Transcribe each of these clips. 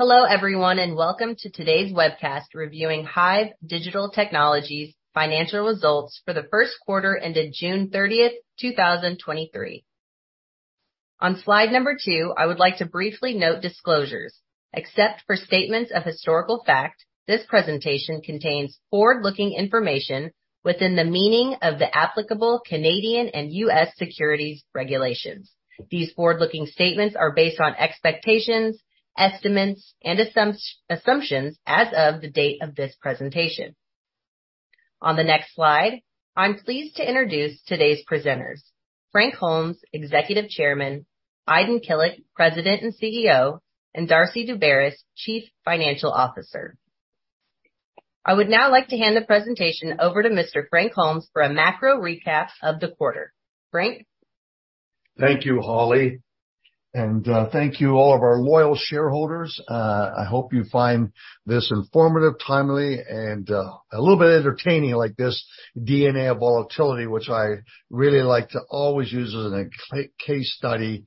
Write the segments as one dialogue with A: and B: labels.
A: Hello, everyone, welcome to today's webcast reviewing HIVE Digital Technologies' financial results for the first quarter ended June 30th, 2023. On slide two, I would like to briefly note disclosures. Except for statements of historical fact, this presentation contains forward-looking information within the meaning of the applicable Canadian and U.S. securities regulations. These forward-looking statements are based on expectations, estimates, and assumptions as of the date of this presentation. On the next slide, I'm pleased to introduce today's presenters: Frank Holmes, Executive Chairman; Aydin Kilic, President and CEO; and Darcy Daubaras, Chief Financial Officer. I would now like to hand the presentation over to Mr. Frank Holmes for a macro recap of the quarter. Frank?
B: Thank you, Holly, thank you, all of our loyal shareholders. I hope you find this informative, timely, and a little bit entertaining, like this DNA volatility, which I really like to always use as a case study,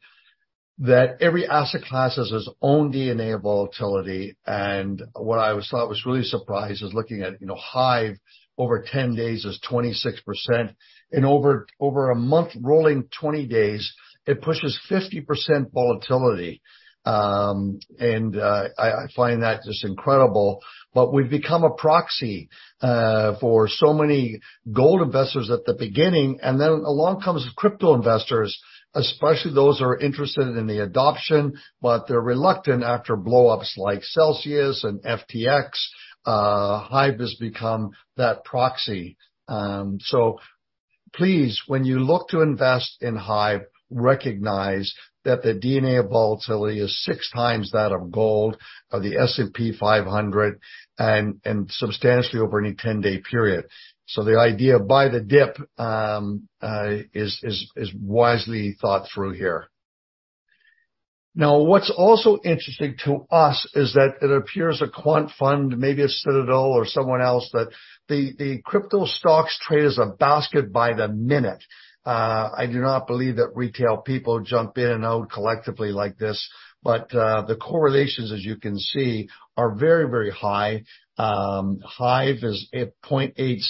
B: that every asset class has its own DNA volatility. What I thought was really surprised is looking at, you know, HIVE over 10 days is 26%, and over, over a month, rolling 20 days, it pushes 50% volatility. I find that just incredible. We've become a proxy for so many gold investors at the beginning, and then along comes crypto investors, especially those who are interested in the adoption, but they're reluctant after blow-ups like Celsius and FTX. HIVE has become that proxy. Please, when you look to invest in HIVE, recognize that the DNA of volatility is six times that of gold, of the S&P 500, and substantially over any 10-day period. The idea of buy the dip is wisely thought through here. What's also interesting to us is that it appears a quant fund, maybe a Citadel or someone else, that the crypto stocks trade as a basket by the minute. I do not believe that retail people jump in and out collectively like this, but the correlations, as you can see, are very, very high. HIVE is at 0.86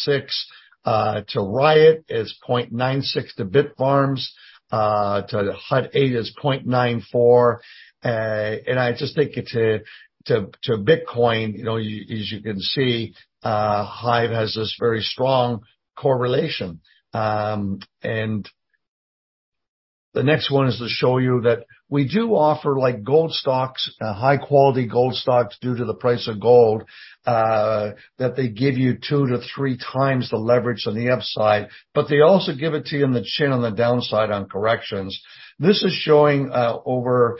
B: to Riot is 0.96 to Bitfarms, to Hut 8 is 0.94. I just think it to, to, to Bitcoin, you know, as you can see, HIVE has this very strong correlation. The next one is to show you that we do offer, like gold stocks, high quality gold stocks, due to the price of gold, that they give you two to three times the leverage on the upside. They also give it to you on the chin, on the downside, on corrections. This is showing, over,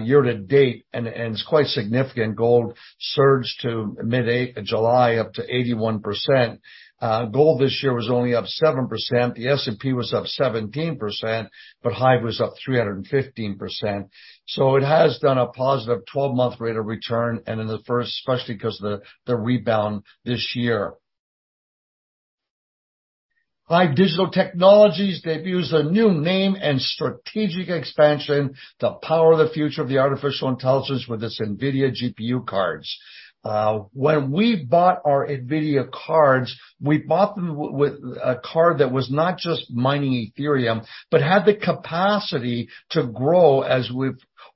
B: year to date, and it's quite significant. Gold surged to mid-July, up to 81%. Gold this year was only up 7%. The S&P was up 17%. HIVE was up 315%. It has done a positive 12-month rate of return, and in the first, especially because of the, the rebound this year. HIVE Digital Technologies debuts a new name and strategic expansion to power the future of the artificial intelligence with its NVIDIA GPU cards. When we bought our NVIDIA cards, we bought them with a card that was not just mining Ethereum, but had the capacity to grow.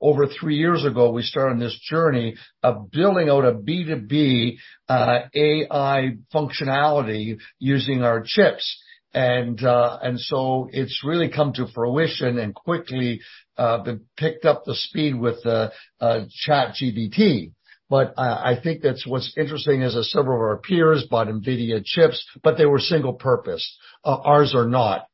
B: Over three years ago, we started on this journey of building out a B2B AI functionality using our chips. It's really come to fruition and quickly been picked up the speed with the ChatGPT. I, I think that's what's interesting is that several of our peers bought NVIDIA chips, but they were single purpose. Ours are not.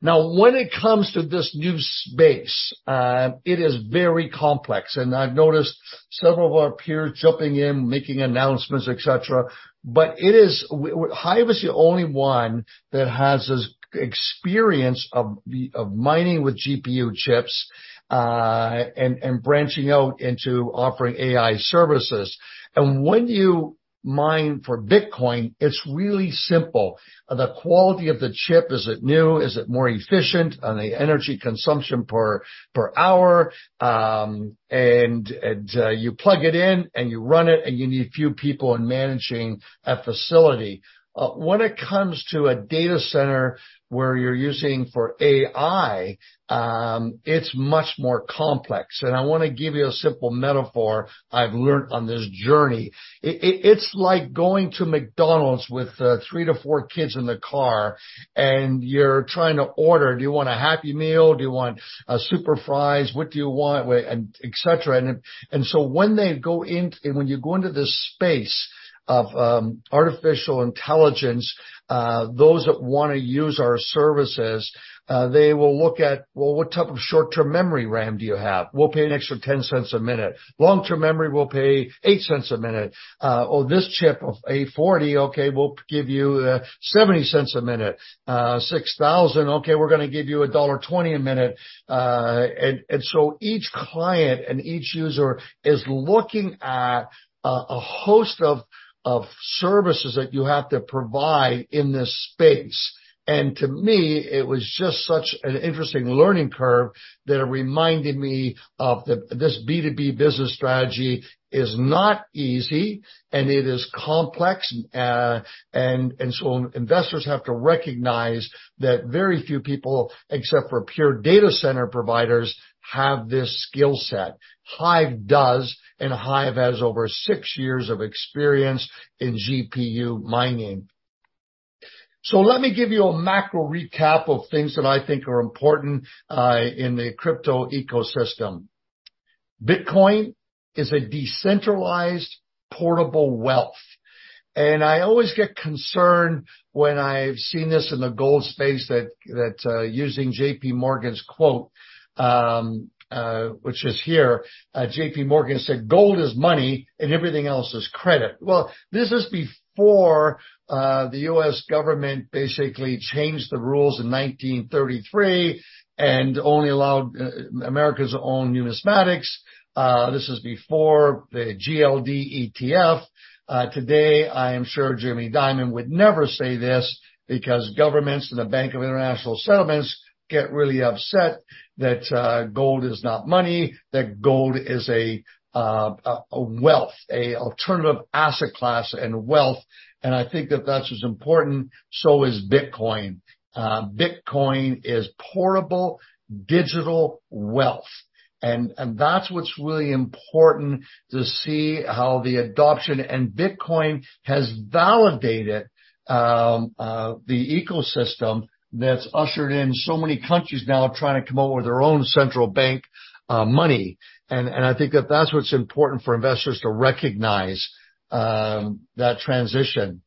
B: When it comes to this new space, it is very complex, and I've noticed several of our peers jumping in, making announcements, et cetera. It is HIVE is the only one that has this experience of mining with GPU chips and branching out into offering AI services. When you mine for Bitcoin, it's really simple. The quality of the chip, is it new? Is it more efficient on the energy consumption per hour? You plug it in and you run it, and you need a few people in managing a facility. When it comes to a data center, where you're using for AI, it's much more complex, and I wanna give you a simple metaphor I've learned on this journey. It's like going to McDonald's with three to four kids in the car, and you're trying to order. "Do you want a Happy Meal? Do you want super fries? What do you want?" and et cetera. So when you go into this space of artificial intelligence, those that wanna use our services, they will look at: "Well, what type of short-term memory RAM do you have? We'll pay an extra $0.10 a minute. Long-term memory, we'll pay $0.08 a minute. Oh, this chip of 840, okay, we'll give you $0.70 a minute. 6,000, okay, we're gonna give you $1.20 a minute." So each client and each user is looking at a host of services that you have to provide in this space. To me, it was just such an interesting learning curve that it reminded me of the... This B2B business strategy is not easy, and it is complex. So investors have to recognize that very few people, except for pure data center providers, have this skill set. HIVE does. HIVE has over six years of experience in GPU mining. Let me give you a macro recap of things that I think are important in the crypto ecosystem. Bitcoin is a decentralized, portable wealth. I always get concerned when I've seen this in the gold space, that, that, using JP Morgan's quote, which is here, JP Morgan said, "Gold is money, and everything else is credit." This is before the U.S. government basically changed the rules in 1933 and only allowed America's own numismatics. This is before the GLD ETF. Today, I am sure Jamie Dimon would never say this because governments and the Bank for International Settlements get really upset that gold is not money, that gold is a wealth, a alternative asset class and wealth. I think that that's as important, so is Bitcoin. Bitcoin is portable digital wealth, and that's what's really important to see how the adoption and Bitcoin has validated the ecosystem that's ushered in so many countries now trying to come up with their own central bank money. I think that that's what's important for investors to recognize that transition.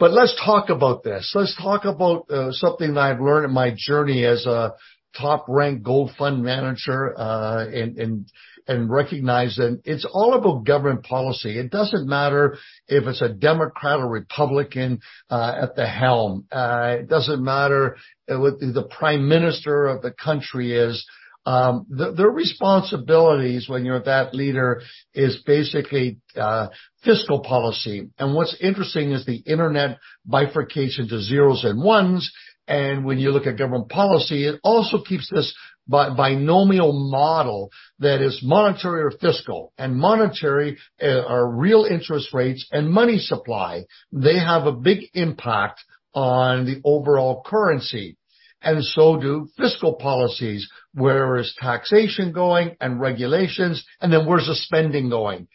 B: Let's talk about this. Let's talk about something that I've learned in my journey as a top-ranked gold fund manager and recognize that it's all about government policy. It doesn't matter if it's a Democrat or Republican at the helm. It doesn't matter who the prime minister of the country is. The, the responsibilities when you're that leader is basically fiscal policy. What's interesting is the internet bifurcation to zeros and ones, and when you look at government policy, it also keeps this binomial model that is monetary or fiscal, and monetary are real interest rates and money supply. They have a big impact on the overall currency, and so do fiscal policies. Where is taxation going and regulations, and then where's the spending going?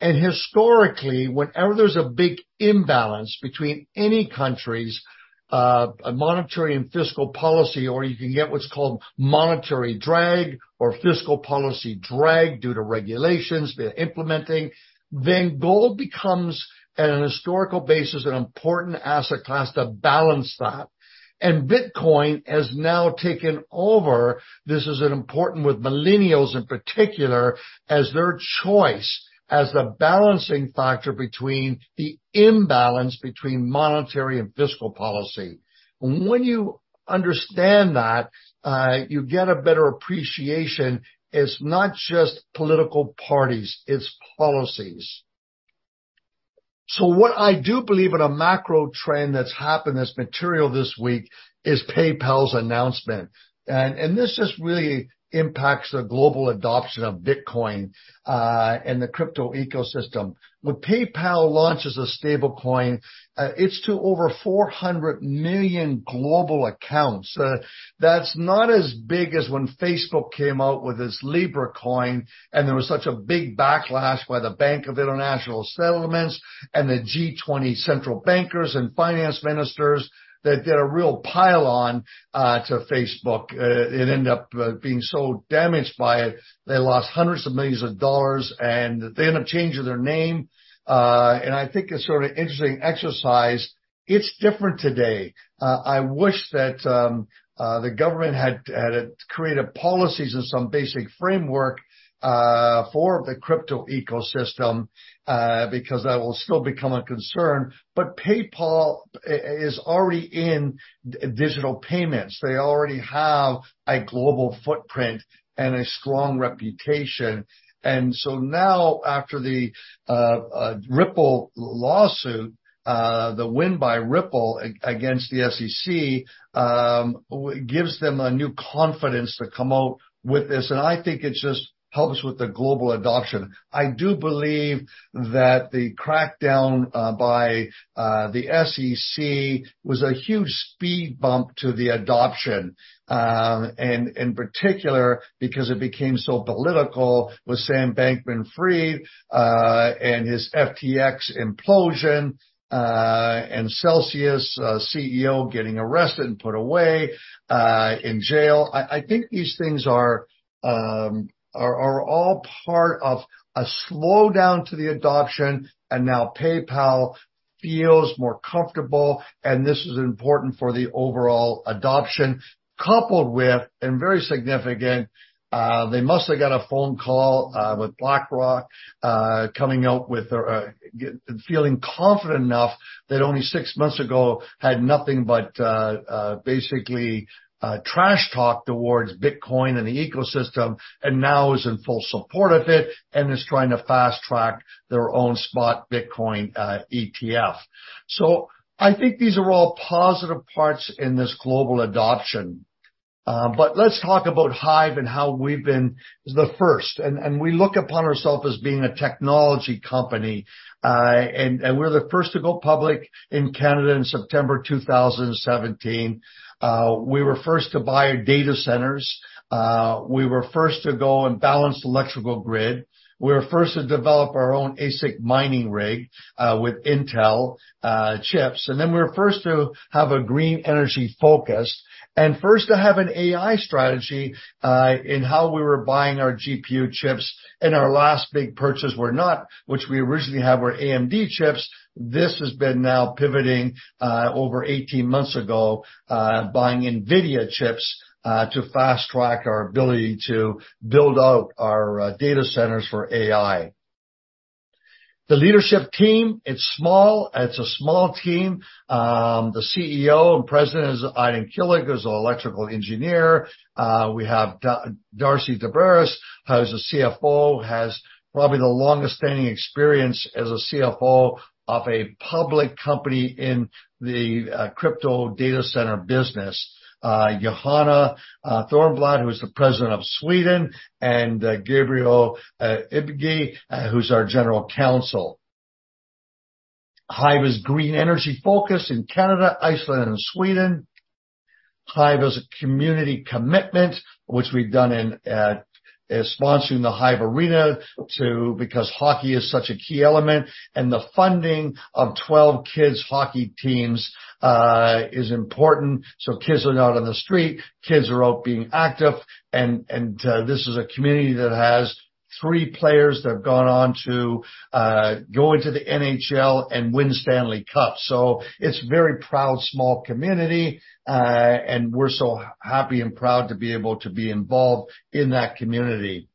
B: Historically, whenever there's a big imbalance between any country's monetary and fiscal policy, or you can get what's called monetary drag or fiscal policy drag due to regulations they're implementing, then gold becomes, at a historical basis, an important asset class to balance that. Bitcoin has now taken over. This is important with millennials, in particular, as their choice, as the balancing factor between the imbalance between monetary and fiscal policy. When you understand that, you get a better appreciation, it's not just political parties, it's policies. What I do believe, in a macro trend that's happened that's material this week, is PayPal's announcement. This just really impacts the global adoption of Bitcoin and the crypto ecosystem. When PayPal launches a stablecoin, it's to over $400 million global accounts. That's not as big as when Facebook came out with its Libra coin, and there was such a big backlash by the Bank for International Settlements and the G20 central bankers and finance ministers that did a real pile-on to Facebook. It ended up being so damaged by it, they lost hundreds of millions of dollars, and they ended up changing their name. I think it's sort of interesting exercise. It's different today. I wish that the government had, had, created policies and some basic framework for the crypto ecosystem because that will still become a concern. PayPal is already in digital payments. They already have a global footprint and a strong reputation. Now, after the Ripple lawsuit, the win by Ripple against the SEC, gives them a new confidence to come out with this, and I think it just helps with the global adoption. I do believe that the crackdown by the SEC was a huge speed bump to the adoption, and in particular, because it became so political with Sam Bankman-Fried, and his FTX implosion, and Celsius CEO getting arrested and put away in jail. I think these things are all part of a slowdown to the adoption, and now PayPal feels more comfortable, and this is important for the overall adoption. Coupled with, and very significant, they must have got a phone call, with BlackRock coming out with feeling confident enough that only six months ago had nothing but basically trash talked towards Bitcoin and the ecosystem, and now is in full support of it and is trying to fast-track their own spot Bitcoin ETF. I think these are all positive parts in this global adoption. Let's talk about HIVE and how we've been the first. We look upon ourselves as being a technology company. We're the first to go public in Canada in September 2017. We were first to buy data centers. We were first to go and balance the electrical grid. We were first to develop our own ASIC mining rig with Intel chips. Then we were first to have a green energy focus and first to have an AI strategy in how we were buying our GPU chips. Our last big purchase were not, which we originally had were AMD chips. This has been now pivoting over 18 months ago, buying NVIDIA chips to fast track our ability to build out our data centers for AI. The leadership team, it's small. It's a small team. The CEO and president is Aydin Kilic, who's an electrical engineer. We have Darcy Daubaras, who is the CFO, has probably the longest-standing experience as a CFO of a public company in the crypto data center business. Johanna Thornblad, who is the president of Sweden, and Gabriel Ibgui, who's our general counsel. HIVE's green energy focus in Canada, Iceland and Sweden. HIVE has a community commitment, which we've done in, is sponsoring the HIVE Arena because hockey is such a key element, and the funding of 12 kids hockey teams, is important, so kids are not on the street, kids are out being active. This is a community that has 3 players that have gone on to go into the NHL and win Stanley Cup. It's a very proud, small community, and we're so happy and proud to be able to be involved in that community.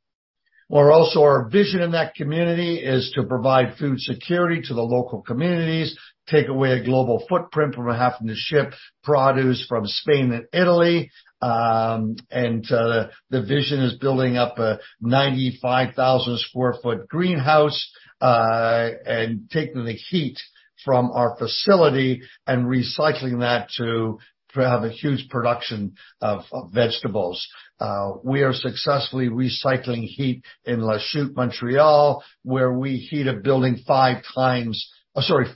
B: Our vision in that community is to provide food security to the local communities, take away a global footprint from having to ship produce from Spain and Italy. The vision is building up a 95,000 sq ft greenhouse and taking the heat from our facility and recycling that to have a huge production of, of vegetables. We are successfully recycling heat in Lachute, Montreal, where we heat a building five times...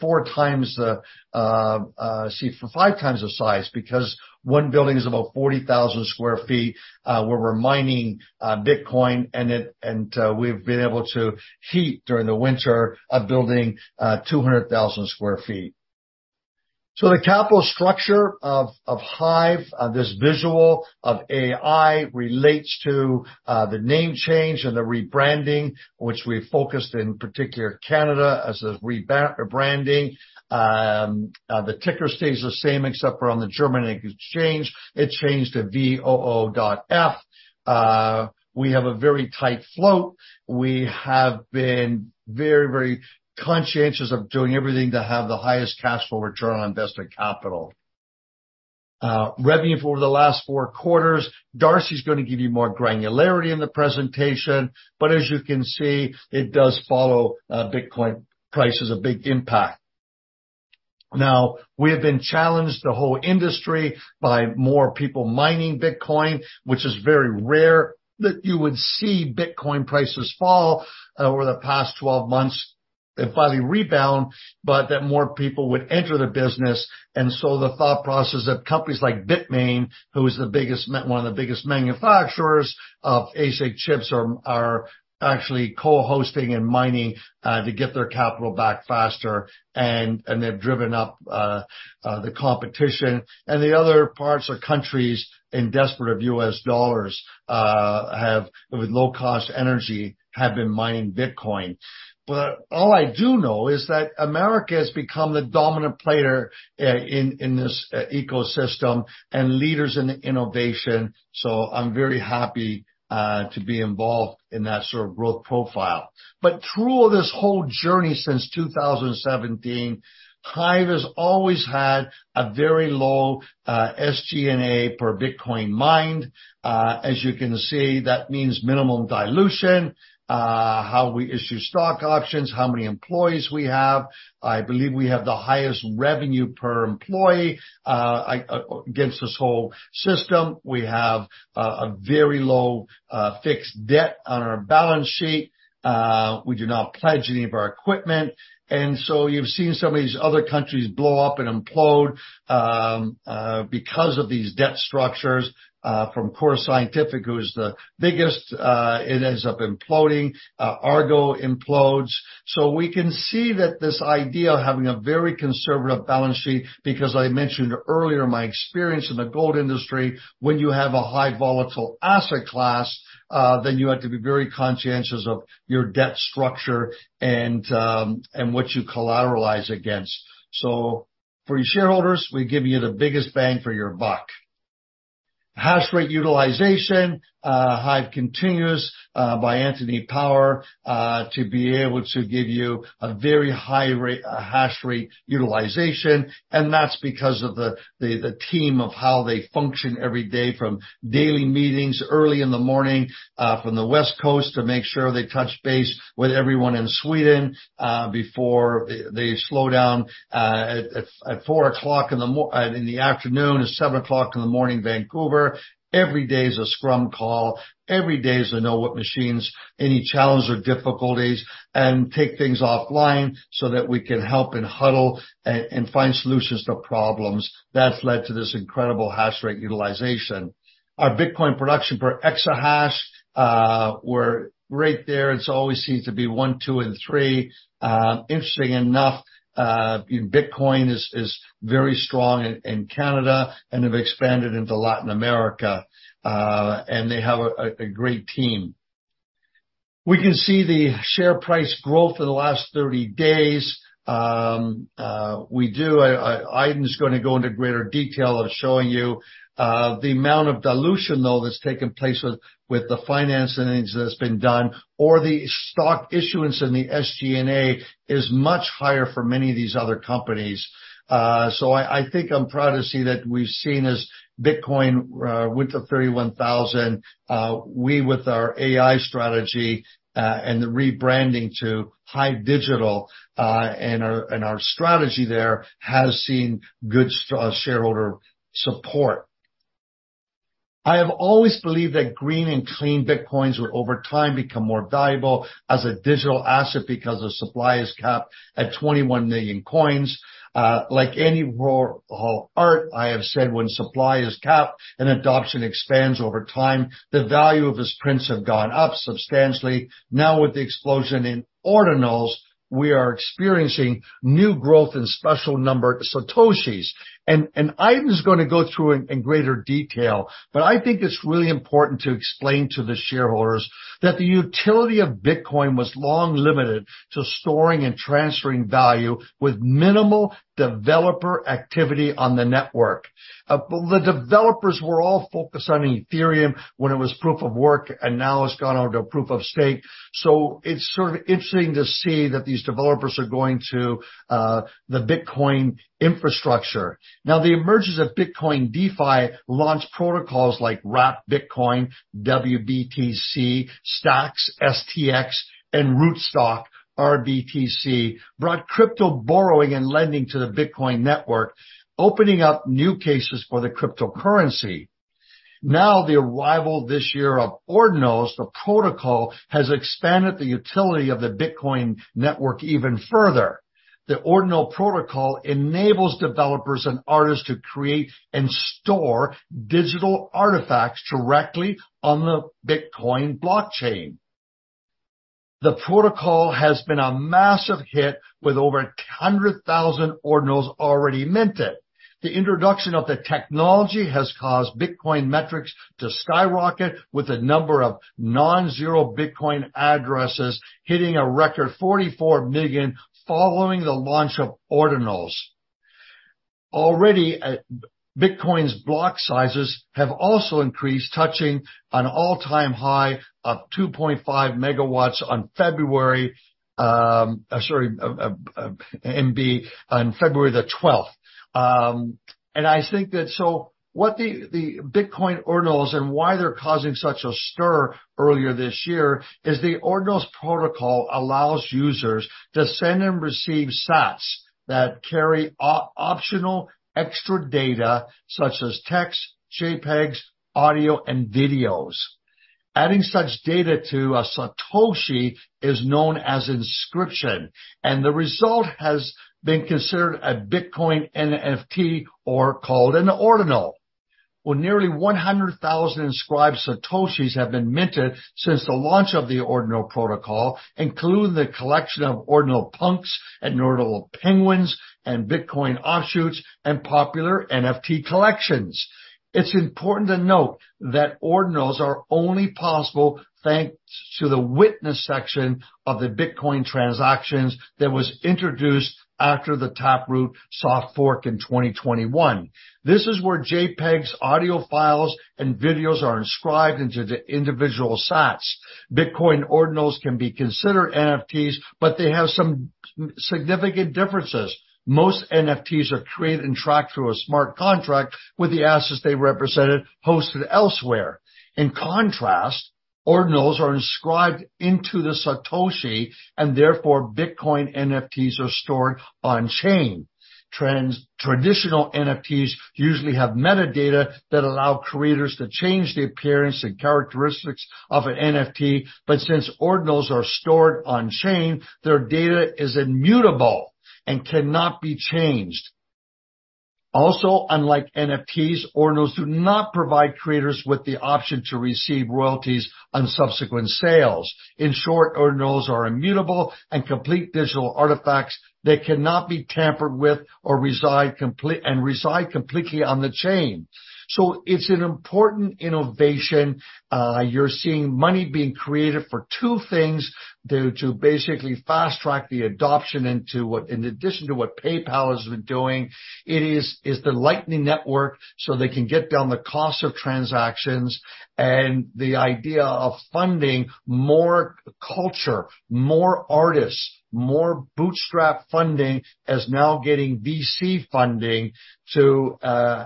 B: four times the size, because one building is about 40,000 sq ft. We're mining Bitcoin, and we've been able to heat during the winter, a building 200,000 sq ft. The capital structure of, of HIVE, this visual of AI relates to the name change and the rebranding, which we focused in particular, Canada, as a rebranding. The ticker stays the same, except for on the German exchange, it changed to VOO.F. We have a very tight float. We have been very, very conscientious of doing everything to have the highest cash flow return on invested capital. Revenue for the last four quarters, Darcy's gonna give you more granularity in the presentation, but as you can see, it does follow, Bitcoin price is a big impact. Now, we have been challenged, the whole industry, by more people mining Bitcoin, which is very rare that you would see Bitcoin prices fall over the past 12 months and finally rebound, but that more people would enter the business. The thought process that companies like Bitmain, who is the biggest one of the biggest manufacturers of ASIC chips, are actually co-hosting and mining to get their capital back faster, and they've driven up the competition. The other parts or countries in desperate of US dollars, have, with low-cost energy, have been mining Bitcoin. All I do know is that America has become the dominant player, in, in this, ecosystem and leaders in innovation, so I'm very happy, to be involved in that sort of growth profile. Through all this whole journey since 2017, HIVE has always had a very low, SG&A per Bitcoin mined. As you can see, that means minimum dilution, how we issue stock options, how many employees we have. I believe we have the highest revenue per employee, I... against this whole system. We have, a very low, fixed debt on our balance sheet. We do not pledge any of our equipment. You've seen some of these other countries blow up and implode because of these debt structures from Core Scientific, who is the biggest, it ends up imploding, Argo implodes. We can see that this idea of having a very conservative balance sheet, because I mentioned earlier my experience in the gold industry, when you have a high volatile asset class, then you have to be very conscientious of your debt structure and what you collateralize against. For your shareholders, we give you the biggest bang for your buck. Hashrate utilization, HIVE continues by Anthony Power to be able to give you a very high rate, hashrate utilization, and that's because of the team of how they function every day from daily meetings early in the morning from the West Coast to make sure they touch base with everyone in Sweden before they slow down at 4:00 P.M. and 7:00 A.M., Vancouver. Every day is a scrum call. Every day is to know what machines, any challenges or difficulties, and take things offline so that we can help and huddle and find solutions to problems. That's led to this incredible hashrate utilization. Our Bitcoin production per exahash, we're right there. It's always seems to be one, two, and three. Interestingly enough, Bitcoin is, is very strong in, in Canada and have expanded into Latin America, and they have a, a, a great team. We can see the share price growth in the last 30 days. We do -- I, I, Aydin Kilic is gonna go into greater detail of showing you the amount of dilution, though, that's taken place with, with the financing that's been done or the stock issuance in the SG&A is much higher for many of these other companies. I, I think I'm proud to see that we've seen as Bitcoin went to $31,000, we, with our AI strategy, and the rebranding to HIVE Digital, and our, and our strategy there, has seen good shareholder support. I have always believed that green and clean Bitcoins would over time become more valuable as a digital asset because the supply is capped at 21 million coins. Like any Warhol art, I have said when supply is capped and adoption expands over time, the value of his prints have gone up substantially. With the explosion in Ordinals, we are experiencing new growth in special numbered satoshis. Aydin is gonna go through in, in greater detail, but I think it's really important to explain to the shareholders that the utility of Bitcoin was long limited to storing and transferring value with minimal developer activity on the network. The developers were all focused on Ethereum when it was proof-of-work, and now it's gone on to proof-of-stake. It's sort of interesting to see that these developers are going to the Bitcoin infrastructure. The emergence of Bitcoin DeFi launched protocols like Wrapped Bitcoin, WBTC, Stacks (STX), and Rootstock (RBTC), brought crypto borrowing and lending to the Bitcoin network, opening up new cases for the cryptocurrency. The arrival this year of Ordinals, the protocol, has expanded the utility of the Bitcoin network even further. The Ordinal protocol enables developers and artists to create and store digital artifacts directly on the Bitcoin blockchain. The protocol has been a massive hit, with over 100,000 Ordinals already minted. The introduction of the technology has caused Bitcoin metrics to skyrocket, with the number of non-zero Bitcoin addresses hitting a record 44 million following the launch of Ordinals. Already, Bitcoin's block sizes have also increased, touching an all-time high of 2.5 megawatts on February. MB, on February the 12th. I think that so what the, the Bitcoin Ordinals and why they're causing such a stir earlier this year is the Ordinals protocol allows users to send and receive sats that carry optional extra data such as text, JPEGs, audio, and videos. Adding such data to a Satoshi is known as inscription, the result has been considered a Bitcoin NFT or called an Ordinal. Well, nearly 100,000 inscribed Satoshis have been minted since the launch of the Ordinal protocol, including the collection of Ordinal Punks and Ordinal Penguins and Bitcoin offshoots and popular NFT collections. It's important to note that Ordinals are only possible thanks to the witness section of the Bitcoin transactions that was introduced after the Taproot soft fork in 2021. This is where JPEGs, audio files, and videos are inscribed into the individual sats. Bitcoin Ordinals can be considered NFTs, they have some significant differences. Most NFTs are created and tracked through a smart contract with the assets they represented hosted elsewhere. In contrast, Ordinals are inscribed into the Satoshi, and therefore, Bitcoin NFTs are stored on chain. Traditional NFTs usually have metadata that allow creators to change the appearance and characteristics of an NFT. Since Ordinals are stored on chain, their data is immutable and cannot be changed. Also, unlike NFTs, Ordinals do not provide creators with the option to receive royalties on subsequent sales. In short, Ordinals are immutable and complete digital artifacts that cannot be tampered with or reside and reside completely on the chain. It's an important innovation. You're seeing money being created for two things, due to basically fast-track the adoption into what-- in addition to what PayPal has been doing, it is, is the Lightning Network, so they can get down the cost of transactions and the idea of funding more culture, more artists, more bootstrap funding, as now getting VC funding to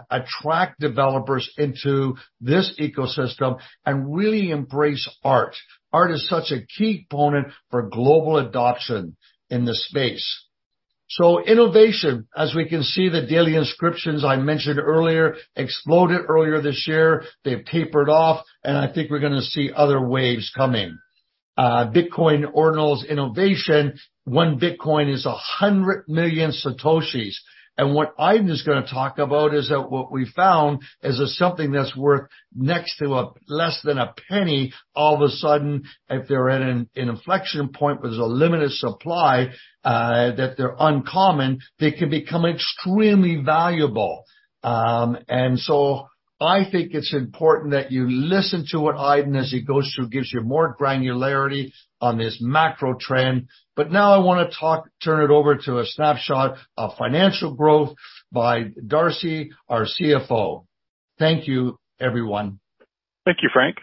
B: attract developers into this ecosystem and really embrace art. Art is such a key component for global adoption in this space. Innovation, as we can see, the daily inscriptions I mentioned earlier, exploded earlier this year. They've tapered off, and I think we're gonna see other waves coming. Bitcoin Ordinals innovation, one Bitcoin is 100 million Satoshis. What Aydin is gonna talk about is that what we found is that something that's worth next to less than $0.01, all of a sudden, if they're at an inflection point, where there's a limited supply, that they're uncommon, they can become extremely valuable. I think it's important that you listen to what Aydin, as he goes through, gives you more granularity on this macro trend. Now I wanna turn it over to a snapshot of financial growth by Darcy, our CFO. Thank you, everyone.
C: Thank you, Frank.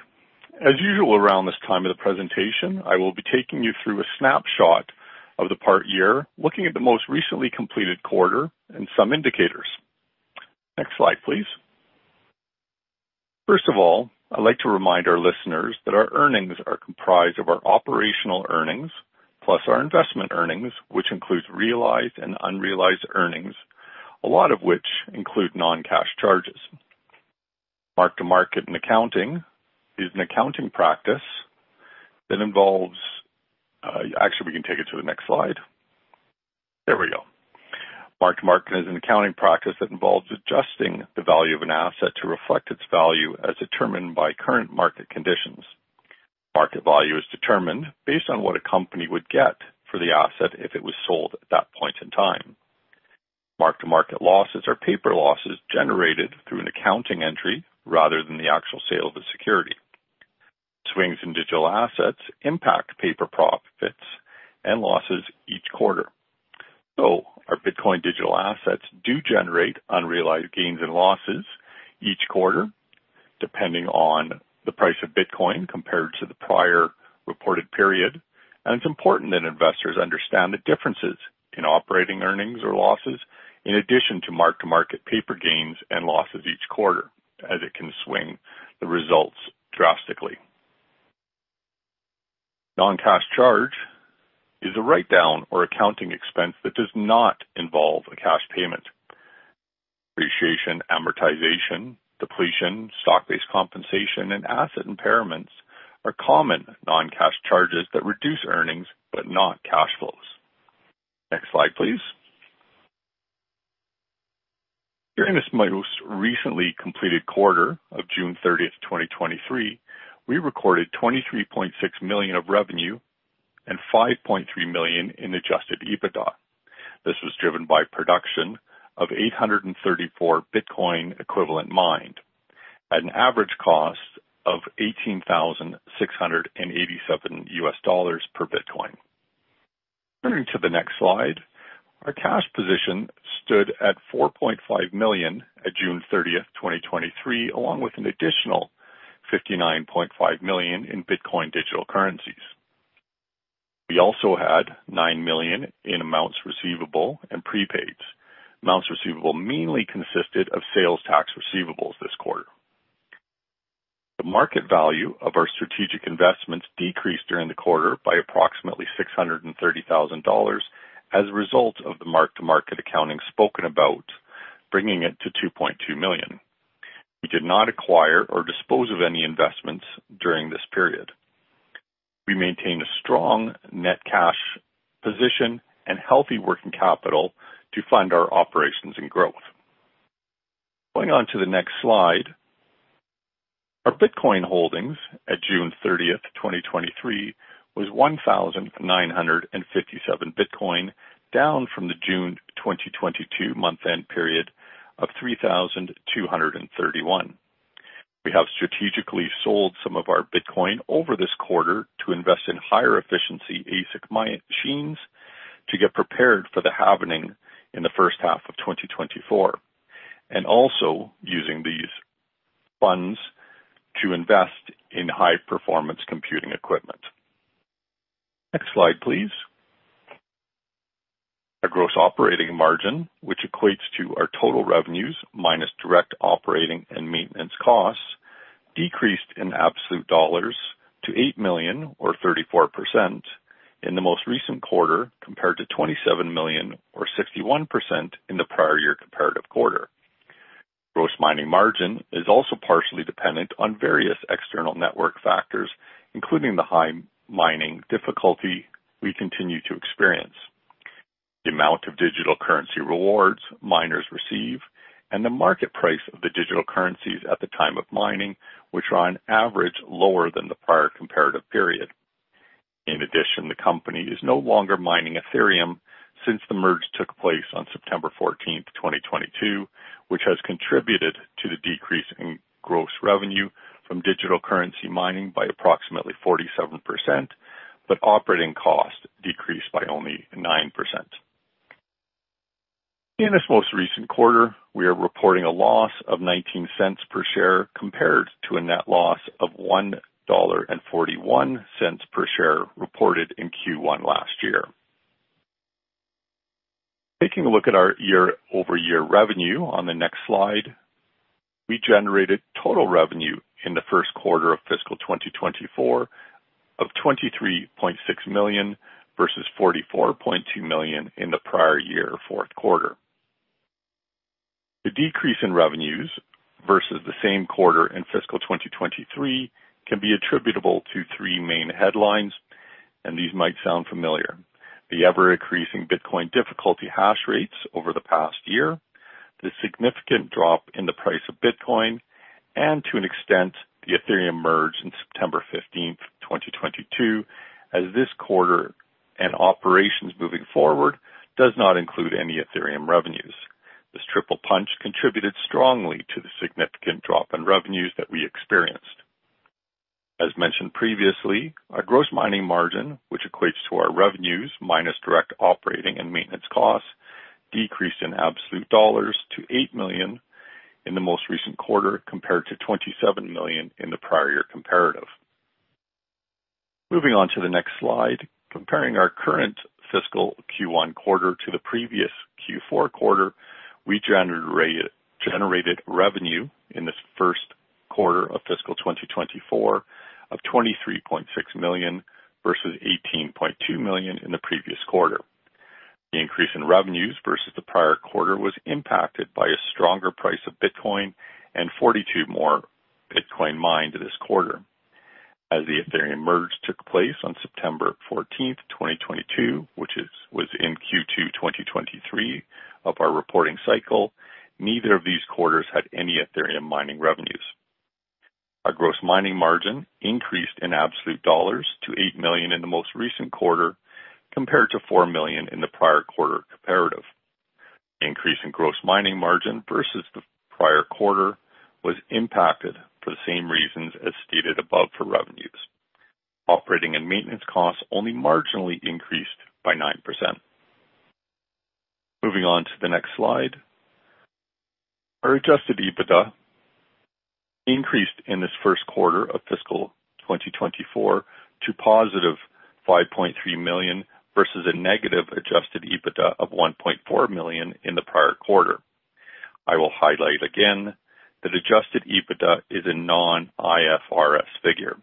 C: As usual, around this time of the presentation, I will be taking you through a snapshot of the part year, looking at the most recently completed quarter and some indicators. Next slide, please. First of all, I'd like to remind our listeners that our earnings are comprised of our operational earnings, plus our investment earnings, which includes realized and unrealized earnings, a lot of which include non-cash charges. Mark-to-market and accounting is an accounting practice that involves. Actually, we can take it to the next slide. There we go. Mark-to-market is an accounting practice that involves adjusting the value of an asset to reflect its value as determined by current market conditions. Market value is determined based on what a company would get for the asset if it was sold at that point in time. Mark-to-market losses are paper losses generated through an accounting entry rather than the actual sale of a security. Swings in digital assets impact paper profits and losses each quarter. Our Bitcoin digital assets do generate unrealized gains and losses each quarter, depending on the price of Bitcoin compared to the prior reported period. It's important that investors understand the differences in operating earnings or losses, in addition to mark-to-market paper gains and losses each quarter, as it can swing the results drastically. Non-cash charge is a write-down or accounting expense that does not involve a cash payment. Depreciation, amortization, depletion, stock-based compensation, and asset impairments are common non-cash charges that reduce earnings but not cash flows. Next slide, please. During this most recently completed quarter of June 30th, 2023, we recorded $23.6 million of revenue and $5.3 million in adjusted EBITDA. This was driven by production of 834 Bitcoin equivalent mined at an average cost of $18,687 per Bitcoin. Turning to the next slide, our cash position stood at $4.5 million at June 30th, 2023, along with an additional $59.5 million in Bitcoin digital currencies. We also had $9 million in amounts receivable and prepaids. Amounts receivable mainly consisted of sales tax receivables this quarter. The market value of our strategic investments decreased during the quarter by approximately $630,000 as a result of the mark-to-market accounting spoken about, bringing it to $2.2 million. We did not acquire or dispose of any investments during this period. We maintained a strong net cash position and healthy working capital to fund our operations and growth. Going on to the next slide, our Bitcoin holdings at June 30th, 2023, was 1,957 Bitcoin, down from the June 2022 month-end period of 3,231. We have strategically sold some of our Bitcoin over this quarter to invest in higher efficiency ASIC mining machines to get prepared for the halving in the first half of 2024, also using these funds to invest in high-performance computing equipment. Next slide, please. Our gross operating margin, which equates to our total revenues minus direct operating and maintenance costs, decreased in absolute dollars to $8 million or 34% in the most recent quarter, compared to $27 million or 61% in the prior year comparative quarter. Gross mining margin is also partially dependent on various external network factors, including the high mining difficulty we continue to experience, the amount of digital currency rewards miners receive, and the market price of the digital currencies at the time of mining, which are on average, lower than the prior comparative period. In addition, the company is no longer mining Ethereum since the merge took place on September 14th, 2022, which has contributed to the decrease in gross revenue from digital currency mining by approximately 47%, but operating costs decreased by only 9%. In this most recent quarter, we are reporting a loss of $0.19 per share, compared to a net loss of $1.41 per share reported in Q1 last year. Taking a look at our year-over-year revenue on the next slide, we generated total revenue in the first quarter of fiscal 2024 of $23.6 million, versus $44.2 million in the prior year fourth quarter. The decrease in revenues versus the same quarter in fiscal 2023 can be attributable to three main headlines. These might sound familiar. The ever-increasing Bitcoin difficulty hashrates over the past year, the significant drop in the price of Bitcoin, and to an extent, the Ethereum Merge in September 15th, 2022, as this quarter and operations moving forward does not include any Ethereum revenues. This triple punch contributed strongly to the significant drop in revenues that we experienced. As mentioned previously, our gross mining margin, which equates to our revenues minus direct operating and maintenance costs, decreased in absolute dollars to $8 million in the most recent quarter, compared to $27 million in the prior year comparative. Moving on to the next slide. Comparing our current fiscal Q1 quarter to the previous Q4 quarter, we generated revenue in this first quarter of fiscal 2024 of $23.6 million, versus $18.2 million in the previous quarter. The increase in revenues versus the prior quarter was impacted by a stronger price of Bitcoin and 42 more Bitcoin mined this quarter. As the Ethereum Merge took place on September 14, 2022, which was in Q2 2023 of our reporting cycle, neither of these quarters had any Ethereum mining revenues. Our gross mining margin increased in absolute dollars to $8 million in the most recent quarter, compared to $4 million in the prior quarter comparative. Increase in gross mining margin versus the prior quarter was impacted for the same reasons as stated above for revenues. Operating and maintenance costs only marginally increased by 9%. Moving on to the next slide. Our adjusted EBITDA increased in this first quarter of fiscal 2024 to positive $5.3 million, versus a negative adjusted EBITDA of $1.4 million in the prior quarter. I will highlight again that adjusted EBITDA is a non-IFRS figure.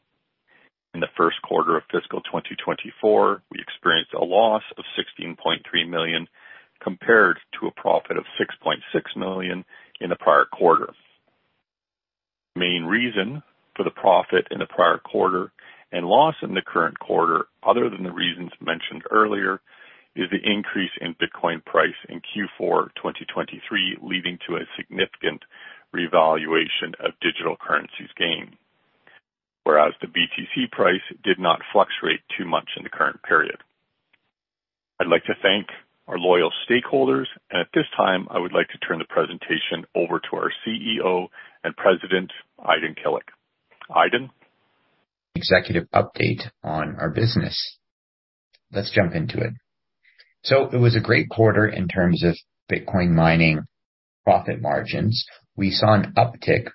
C: In the first quarter of fiscal 2024, we experienced a loss of $16.3 million, compared to a profit of $6.6 million in the prior quarter. Main reason for the profit in the prior quarter and loss in the current quarter, other than the reasons mentioned earlier, is the increase in Bitcoin price in Q4 2023, leading to a significant revaluation of digital currencies gain. Whereas the BTC price did not fluctuate too much in the current period. I'd like to thank our loyal stakeholders, At this time, I would like to turn the presentation over to our CEO and President, Aydin Kilic. Aydin?
D: Executive update on our business. Let's jump into it. It was a great quarter in terms of Bitcoin mining profit margins. We saw an uptick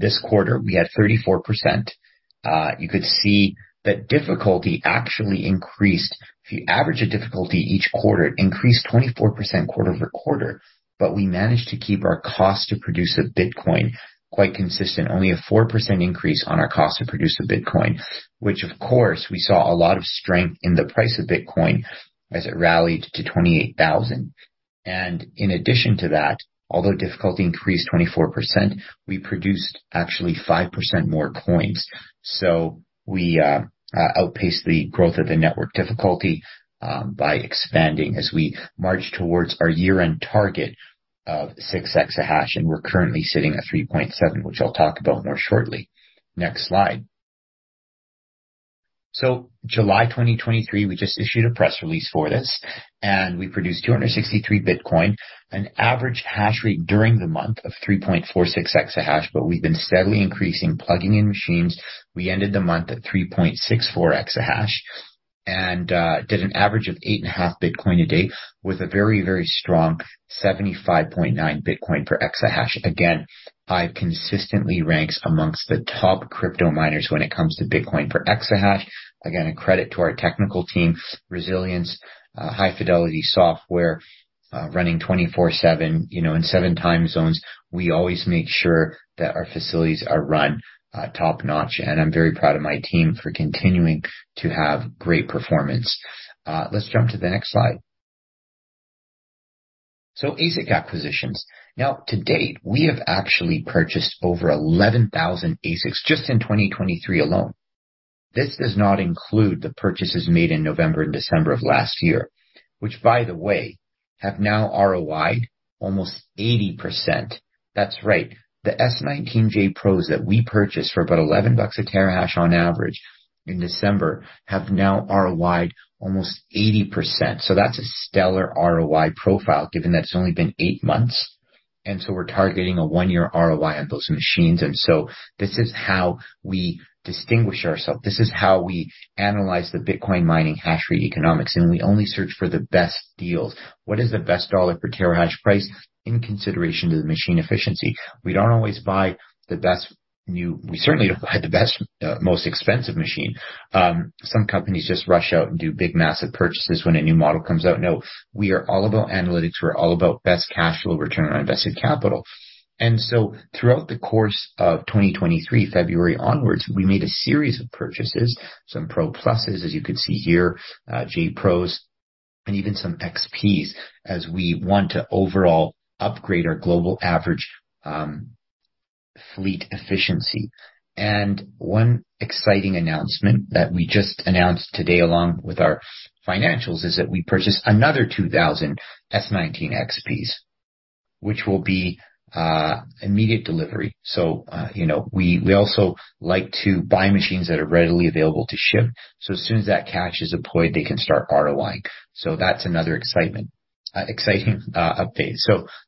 D: this quarter. We had 34%. You could see that difficulty actually increased. If you average a difficulty each quarter, it increased 24% quarter-over-quarter, but we managed to keep our cost to produce a Bitcoin quite consistent, only a 4% increase on our cost to produce a Bitcoin, which of course, we saw a lot of strength in the price of Bitcoin as it rallied to $28,000. In addition to that, although difficulty increased 24%, we produced actually 5% more coins. We outpaced the growth of the network difficulty by expanding as we march towards our year-end target of 6 exahash, and we're currently sitting at 3.7, which I'll talk about more shortly. Next slide. July 2023, we just issued a press release for this, and we produced 263 Bitcoin, an average hash rate during the month of 3.46 exahash, but we've been steadily increasing, plugging in machines. We ended the month at 3.64 exahash and did an average of 8.5 Bitcoin a day with a very, very strong 75.9 Bitcoin per exahash. Again, HIVE consistently ranks among the top crypto miners when it comes to Bitcoin per exahash. Again, a credit to our technical team, resilience, high fidelity software, running 24/7, you know, in 7 time zones. We always make sure that our facilities are run, top-notch, and I'm very proud of my team for continuing to have great performance. Let's jump to the next slide. ASIC acquisitions. Now, to date, we have actually purchased over 11,000 ASICs just in 2023 alone. This does not include the purchases made in November and December of last year, which, by the way, have now ROI'd almost 80%. That's right. The Antminer S19j Pro that we purchased for about $11 a terahash on average in December, have now ROI'd almost 80%. That's a stellar ROI profile, given that it's only been 8 months, and so we're targeting a 1-year ROI on those machines. This is how we distinguish ourselves. This is how we analyze the Bitcoin mining hash rate economics, and we only search for the best deals. What is the best dollar per terahash price in consideration to the machine efficiency? We don't always buy the best new -- we certainly don't buy the best, most expensive machine. Some companies just rush out and do big, massive purchases when a new model comes out. We are all about analytics. We're all about best cash flow return on invested capital. Throughout the course of 2023, February onwards, we made a series of purchases, some Pro Pluses, as you can see here, J Pros, and even some XPs, as we want to overall upgrade our global average fleet efficiency. One exciting announcement that we just announced today, along with our financials, is that we purchased another 2,000 S19 XPs, which will be immediate delivery. You know, we, we also like to buy machines that are readily available to ship, so as soon as that cash is deployed, they can start ROI. That's another excitement, exciting update.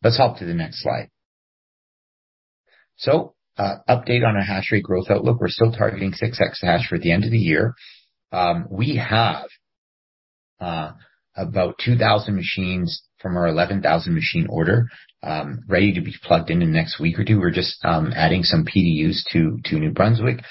D: Let's hop to the next slide. Update on our hash rate growth outlook. We're still targeting 6 exahash for the end of the year. We have about 2,000 machines from our 11,000 machine order, ready to be plugged in in the next week or two. We're just adding some PDUs to New Brunswick.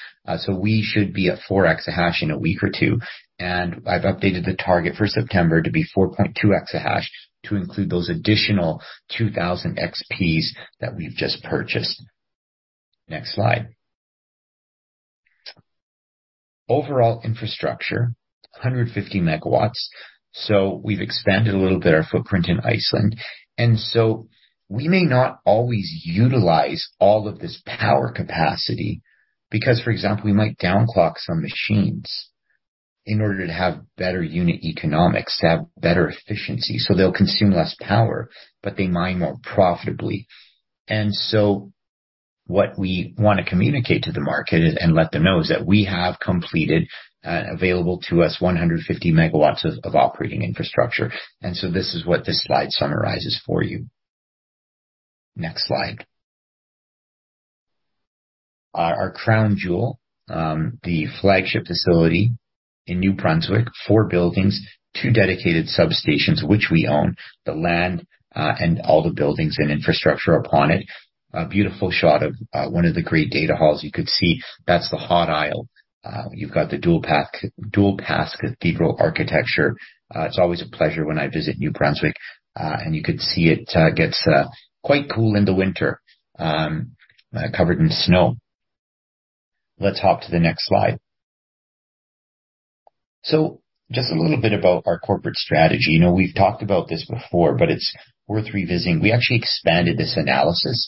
D: We should be at 4 exahash in a week or two. I've updated the target for September to be 4.2 exahash to include those additional 2,000 XPs that we've just purchased. Next slide. Overall infrastructure, 150 megawatts. We've expanded a little bit, our footprint in Iceland. We may not always utilize all of this power capacity because, for example, we might down clock some machines in order to have better unit economics, to have better efficiency, so they'll consume less power, but they mine more profitably. What we want to communicate to the market and let them know is that we have completed available to us 150 megawatts of operating infrastructure. This is what this slide summarizes for you. Next slide. Our crown jewel, the flagship facility in New Brunswick. Four buildings, two dedicated substations, which we own, the land, and all the buildings and infrastructure upon it. A beautiful shot of one of the great data halls. You could see that's the hot aisle. You've got the dual path, dual path cathedral architecture. It's always a pleasure when I visit New Brunswick. You can see it gets quite cool in the winter, covered in snow. Let's hop to the next slide. Just a little bit about our corporate strategy. You know, we've talked about this before, but it's worth revisiting. We actually expanded this analysis,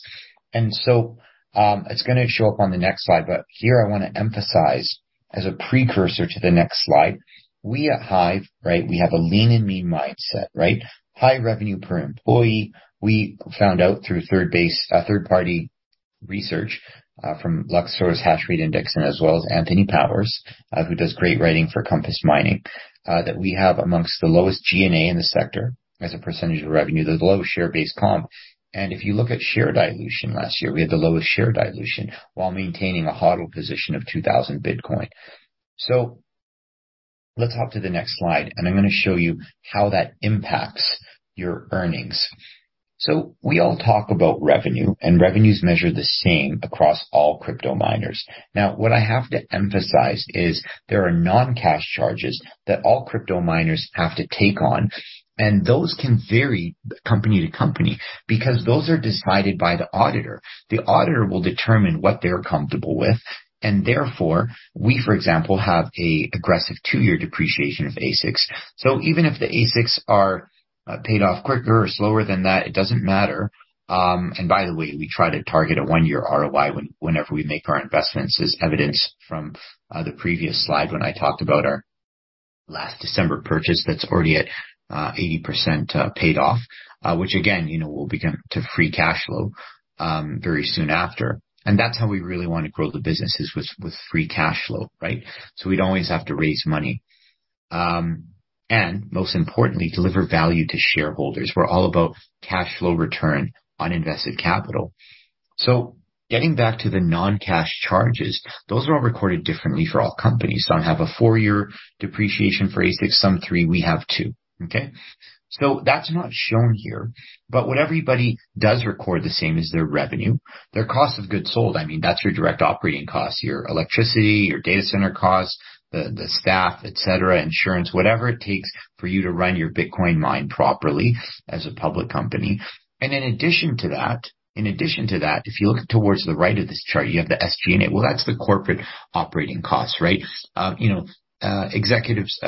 D: and so it's going to show up on the next slide, but here I want to emphasize as a precursor to the next slide. We at HIVE, right, we have a lean and mean mindset, right? High revenue per employee. We found out through third base, third-party research from Luxor Technologies Hashrate Index, and as well as Anthony Power, who does great writing for Compass Mining, that we have amongst the lowest G&A in the sector as a % of revenue. There's the lowest share base comp, and if you look at share dilution last year, we had the lowest share dilution while maintaining a HODL position of 2,000 Bitcoin. Let's hop to the next slide, and I'm going to show you how that impacts your earnings. We all talk about revenue, and revenue is measured the same across all crypto miners. What I have to emphasize is there are non-cash charges that all crypto miners have to take on, and those can vary company to company because those are decided by the auditor. The auditor will determine what they're comfortable with, therefore, we, for example, have a aggressive 2-year depreciation of ASICs. Even if the ASICs are paid off quicker or slower than that, it doesn't matter. By the way, we try to target a 1-year ROI whenever we make our investments, as evidenced from the previous slide, when I talked about our last December purchase, that's already at 80% paid off, which again, you know, will be come to free cash flow very soon after. That's how we really want to grow the business is with, with free cash flow, right? We'd always have to raise money, and most importantly, deliver value to shareholders. We're all about cash flow return on invested capital. Getting back to the non-cash charges, those are all recorded differently for all companies. Some have a 4-year depreciation for ASICs, some 3, we have 2. Okay? That's not shown here, but what everybody does record the same as their revenue, their cost of goods sold. I mean, that's your direct operating costs, your electricity, your data center costs, the, the staff, et cetera, insurance, whatever it takes for you to run your Bitcoin mine properly as a public company. In addition to that, in addition to that, if you look towards the right of this chart, you have the SG&A. That's the corporate operating costs, right? You know, executives,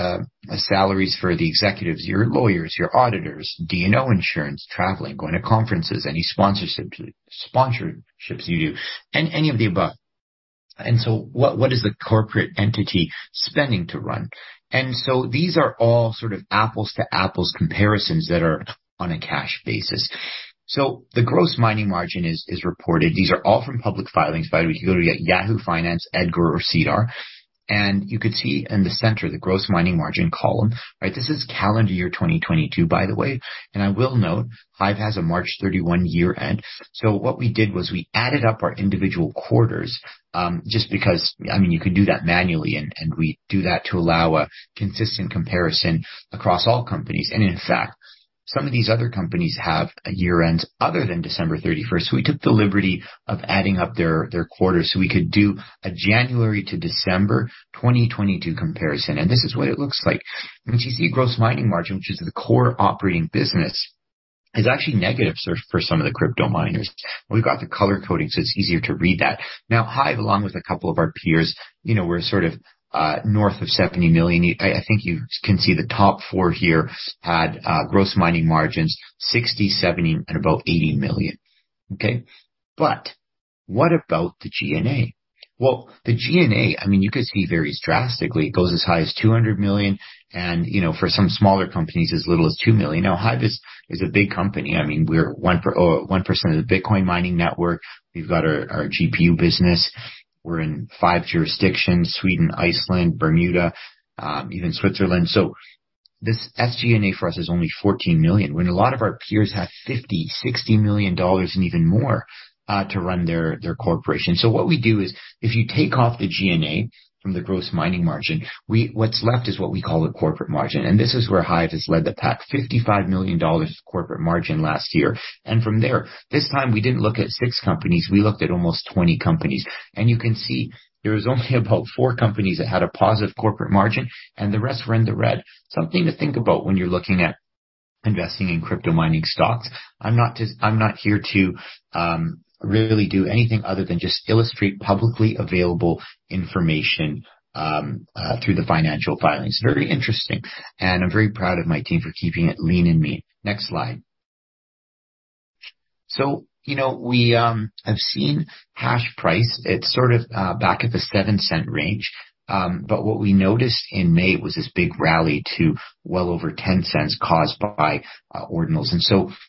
D: salaries for the executives, your lawyers, your auditors, D&O insurance, traveling, going to conferences, any sponsorships, sponsorships you do, and any of the above. What, what is the corporate entity spending to run? These are all sort of apples to apples comparisons that are on a cash basis. The gross mining margin is, is reported. These are all from public filings, by the way. You can go to Yahoo Finance, EDGAR, or SEDAR, and you can see in the center the gross mining margin column. Right. This is calendar year 2022, by the way, and I will note, HIVE has a March 31 year end. What we did was we added up our individual quarters, just because, I mean, you can do that manually, and we do that to allow a consistent comparison across all companies. In fact, some of these other companies have a year-end other than December 31st. We took the liberty of adding up their quarters, so we could do a January to December 2022 comparison. This is what it looks like. When you see gross mining margin, which is the core operating business, is actually negative for some of the crypto miners. We've got the color coding, so it's easier to read that. HIVE, along with a couple of our peers, you know, we're sort of, north of $70 million. I think you can see the top four here had gross mining margins, $60 million, $70 million, and about $80 million. What about the G&A? The G&A, I mean, you can see, varies drastically. It goes as high as $200 million and, you know, for some smaller companies, as little as $2 million. Hive is a big company. I mean, we're 1% of the Bitcoin mining network. We've got our GPU business. We're in 5 jurisdictions, Sweden, Iceland, Bermuda, even Switzerland. This SG&A for us is only $14 million, when a lot of our peers have $50 million-$60 million and even more to run their corporation. What we do is if you take off the G&A from the gross mining margin, what's left is what we call the corporate margin, and this is where Hive has led the pack. $55 million of corporate margin last year. From there, this time we didn't look at six companies, we looked at almost 20 companies. You can see there was only about four companies that had a positive corporate margin, and the rest were in the red. Something to think about when you're looking at investing in crypto mining stocks. I'm not here to really do anything other than just illustrate publicly available information through the financial filings. Very interesting, I'm very proud of my team for keeping it lean and mean. Next slide. You know, we have seen hashprice. It's sort of back at the $0.07 range. What we noticed in May was this big rally to well over $0.10, caused by Ordinals.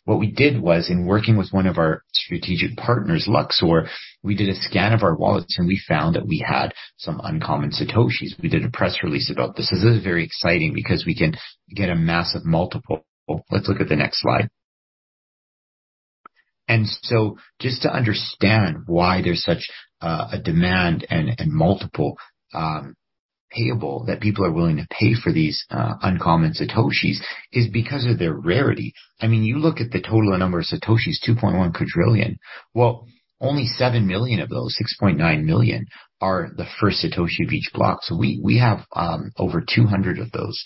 D: What we did was, in working with one of our strategic partners, Luxor, we did a scan of our wallets, and we found that we had some uncommon Satoshis. We did a press release about this. This is very exciting because we can get a massive multiple. Let's look at the next slide. Just to understand why there's such a demand and multiple payable that people are willing to pay for these uncommon Satoshis, is because of their rarity. I mean, you look at the total number of Satoshis, 2.1 quadrillion. Well, only 7 million of those, 6.9 million, are the first Satoshi of each block. We, we have over 200 of those.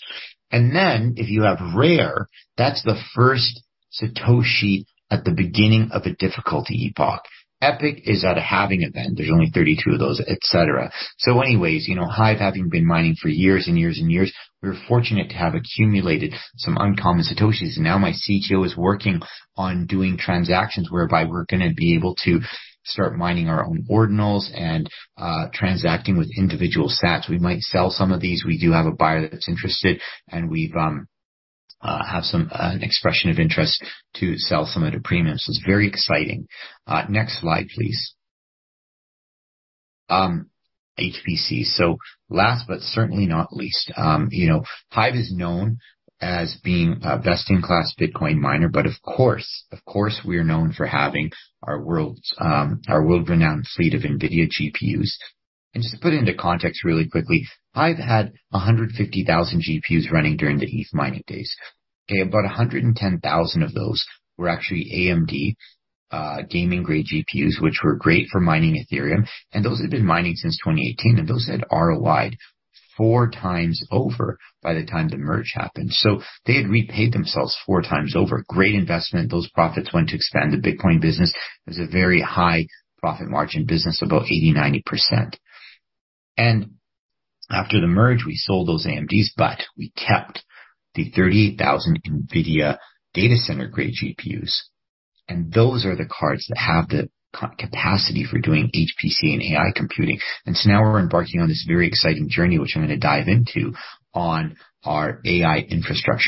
D: If you have rare, that's the first Satoshi at the beginning of a difficulty epoch. Epic is at a halving event. There's only 32 of those, et cetera. Anyways, you know, HIVE having been mining for years and years and years, we're fortunate to have accumulated some uncommon satoshis. Now my CTO is working on doing transactions whereby we're going to be able to start mining our own Ordinals and transacting with individual sats. We might sell some of these. We do have a buyer that's interested, and we've have some, an expression of interest to sell some at a premium. It's very exciting. Next slide, please. HPC. Last but certainly not least, you know, HIVE is known as being a best-in-class Bitcoin miner, but of course, of course, we are known for having our world's, our world-renowned fleet of NVIDIA GPUs. Just to put it into context really quickly, HIVE had 150,000 GPUs running during the ETH mining days. Okay? About 110,000 of those were actually AMD gaming-grade GPUs, which were great for mining Ethereum, and those had been mining since 2018, and those had ROI'd four times over by the time the merge happened. They had repaid themselves four times over. Great investment. Those profits went to expand the Bitcoin business. It was a very high profit margin business, about 80%-90%. After the merge, we sold those AMDs, but we kept the 38,000 NVIDIA data center-grade GPUs, and those are the cards that have the capacity for doing HPC and AI computing. Now we're embarking on this very exciting journey, which I'm going to dive into on our AI infrastructure.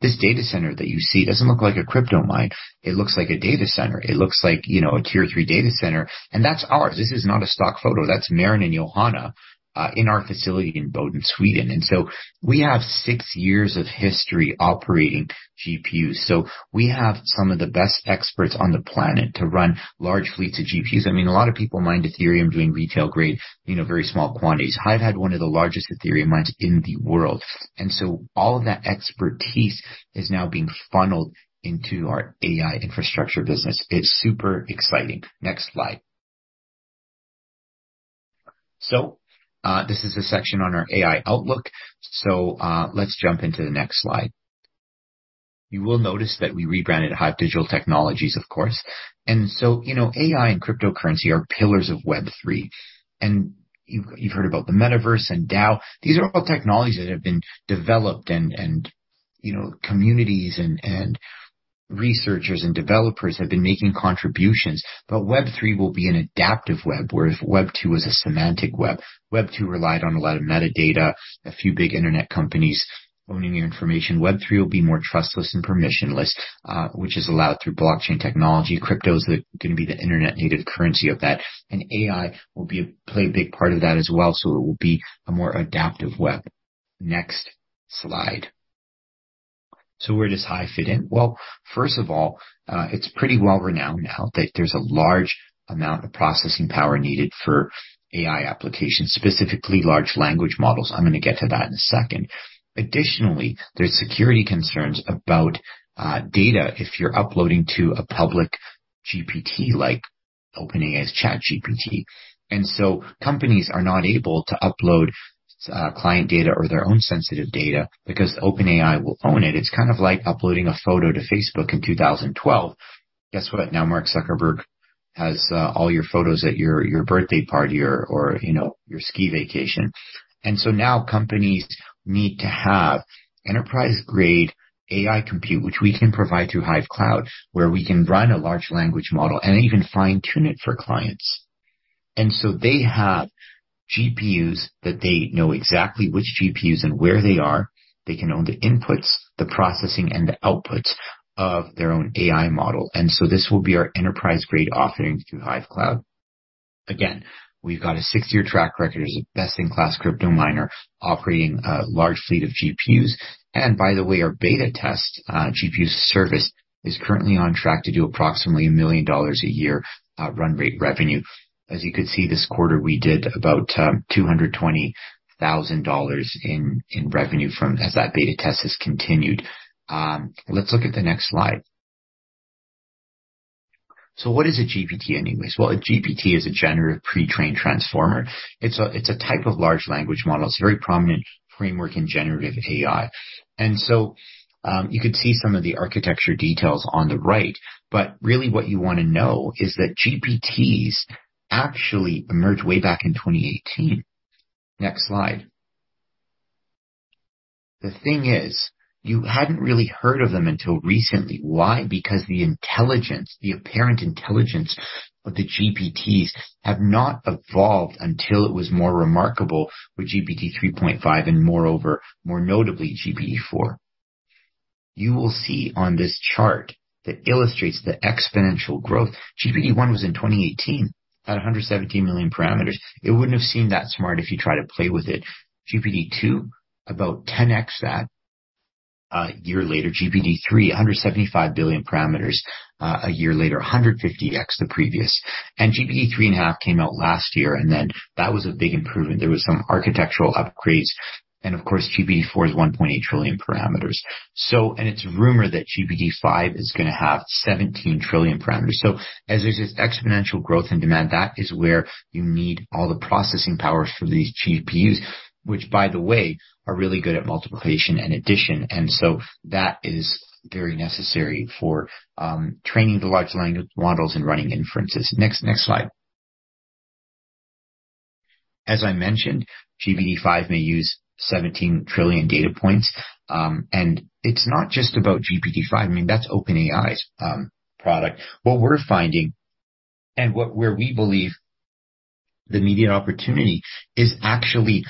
D: This data center that you see doesn't look like a crypto mine. It looks like a data center. It looks like, you know, a Tier III data center, and that's ours. This is not a stock photo. That's Marin and Johanna in our facility in Boden, Sweden. We have six years of history operating GPUs. We have some of the best experts on the planet to run large fleets of GPUs. I mean, a lot of people mined Ethereum doing retail grade, you know, very small quantities. HIVE had 1 of the largest Ethereum mines in the world, and so all of that expertise is now being funneled into our AI infrastructure business. It's super exciting. Next slide. This is a section on our AI outlook. Let's jump into the next slide. You will notice that we rebranded HIVE Digital Technologies, of course. So, you know, AI and cryptocurrency are pillars of Web3, and you've heard about the metaverse and DAO. These are all technologies that have been developed and, you know, communities and researchers and developers have been making contributions, but Web3 will be an adaptive web, whereas Web2 was a semantic web. Web2 relied on a lot of metadata, a few big internet companies owning your information. Web3 will be more trustless and permissionless, which is allowed through blockchain technology. Crypto is going to be the internet native currency of that, and AI will play a big part of that as well. It will be a more adaptive web. Next slide. Where does HIVE fit in? Well, first of all, it's pretty well renowned now that there's a large amount of processing power needed for AI applications, specifically large language models. I'm going to get to that in a second. Additionally, there's security concerns about data if you're uploading to a public GPT, like OpenAI's ChatGPT. Companies are not able to upload client data or their own sensitive data because OpenAI will own it. It's kind of like uploading a photo to Facebook in 2012. Guess what? Now Mark Zuckerberg has all your photos at your, your birthday party or, or, you know, your ski vacation. Now companies need to have enterprise-grade AI compute, which we can provide through Hive Cloud, where we can run a large language model and even fine-tune it for clients. They have GPUs, that they know exactly which GPUs and where they are. They can own the inputs, the processing, and the outputs of their own AI model. This will be our enterprise-grade offering through Hive Cloud. Again, we've got a 60-year track record as a best-in-class crypto miner operating a large fleet of GPUs. By the way, our beta test GPU service is currently on track to do approximately $1 million a year run rate revenue. As you could see, this quarter, we did about $220,000 in revenue from as that beta test has continued. Let's look at the next slide. What is a GPT anyways? Well, a GPT is a Generative Pre-trained Transformer. It's a type of large language model. It's a very prominent framework in generative AI. You could see some of the architecture details on the right, but really what you want to know is that GPTs actually emerged way back in 2018. Next slide. The thing is, you hadn't really heard of them until recently. Why? Because the intelligence, the apparent intelligence of the GPTs, have not evolved until it was more remarkable with GPT-3.5 and moreover, more notably, GPT-4. You will see on this chart that illustrates the exponential growth. GPT-1 was in 2018, at 117 million parameters. It wouldn't have seemed that smart if you try to play with it. GPT-2, about 10x that. A year later, GPT-3, 175 billion parameters. A year later, 150x the previous. GPT-3.5 came out last year, and then that was a big improvement. There was some architectural upgrades. Of course, GPT-4 is 1.8 trillion parameters. It's rumored that GPT-5 is going to have 17 trillion parameters. As there's this exponential growth and demand, that is where you need all the processing powers for these GPUs, which, by the way, are really good at multiplication and addition, and so that is very necessary for training the large language models and running inferences. Next, next slide. As I mentioned, GPT-5 may use 17 trillion data points. It's not just about GPT-5. I mean, that's OpenAI's product. What we're finding and what where we believe the immediate opportunity is actually,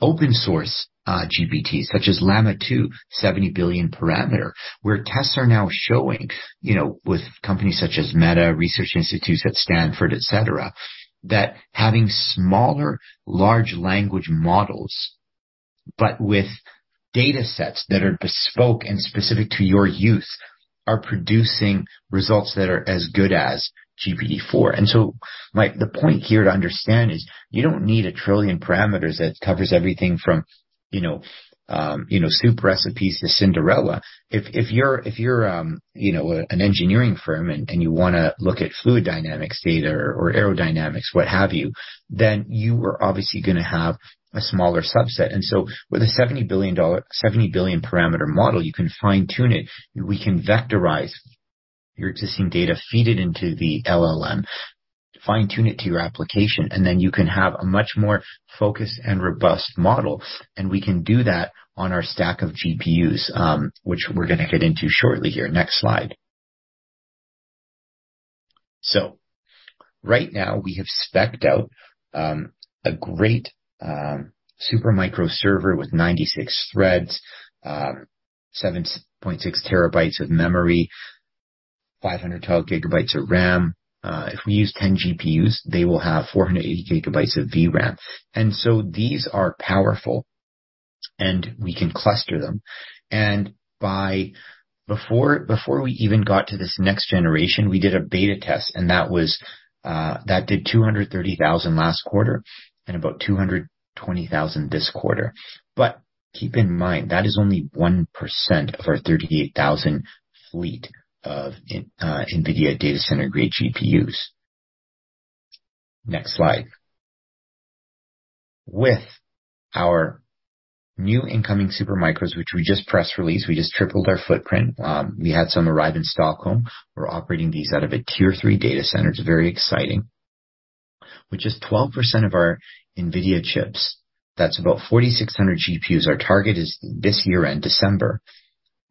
D: open source, GPT, such as Llama 2, 70 billion parameter, where tests are now showing, you know, with companies such as Meta, research institutes at Stanford, et cetera, that having smaller large language models, but with data sets that are bespoke and specific to your use, are producing results that are as good as GPT-4. My the point here to understand is you don't need 1 trillion parameters that covers everything from, you know, soup recipes to Cinderella. If, if you're, if you're, you know, an engineering firm and, and you wanna look at fluid dynamics data or aerodynamics, what have you, then you are obviously gonna have a smaller subset. With a 70 billion parameter model, you can fine-tune it. We can vectorize your existing data, feed it into the LLM, fine-tune it to your application, and then you can have a much more focused and robust model. We can do that on our stack of GPUs, which we're going to get into shortly here. Next slide. Right now, we have spec'd out a great Supermicro server with 96 threads, 7.6 terabytes of memory, 500 total gigabytes of RAM. If we use 10 GPUs, they will have 480 gigabytes of VRAM. These are powerful, and we can cluster them. before, before we even got to this next generation, we did a beta test, and that was that did $230,000 last quarter and about $220,000 this quarter. Keep in mind, that is only 1% of our 38,000 fleet of NVIDIA data center-grade GPUs. Next slide. With our new incoming Supermicros, which we just press released, we just tripled our footprint. We had some arrive in Stockholm. We're operating these out of a Tier III data center. It's very exciting. With just 12% of our NVIDIA chips, that's about 4,600 GPUs, our target is this year, in December,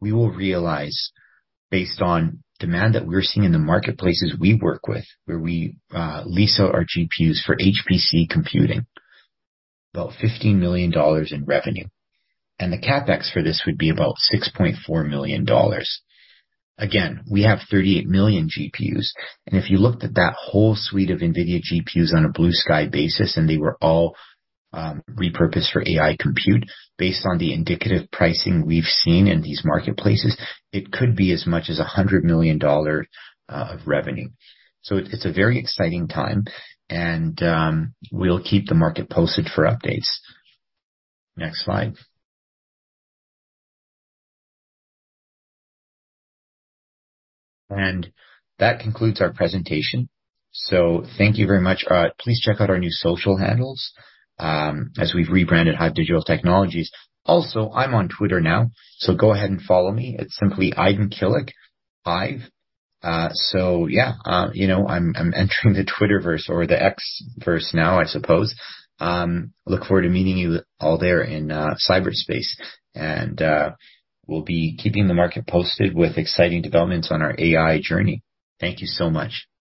D: we will realize, based on demand that we're seeing in the marketplaces we work with, where we lease out our GPUs for HPC computing, about $15 million in revenue, and the CapEx for this would be about $6.4 million. Again, we have 38 million GPUs, and if you looked at that whole suite of NVIDIA GPUs on a blue sky basis, and they were all repurposed for AI compute, based on the indicative pricing we've seen in these marketplaces, it could be as much as $100 million of revenue. It's a very exciting time, and we'll keep the market posted for updates. Next slide. That concludes our presentation. Thank you very much. Please check out our new social handles, as we've rebranded HIVE Digital Technologies. Also, I'm on Twitter now, so go ahead and follow me. It's simply Aydin Kilic Hive. Yeah, you know, I'm, I'm entering the Twitterverse or the Xverse now, I suppose. Look forward to meeting you all there in cyberspace, and we'll be keeping the market posted with exciting developments on our AI journey. Thank you so much.